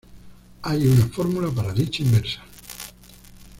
Hay una fórmula para dicha inversa.